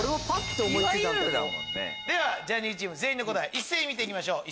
ではジャニーズチーム答え一斉に見て行きましょう。